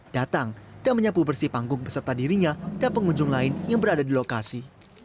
datang dan menyapu bersih panggung beserta dirinya dan pengunjung lain yang berada di lokasi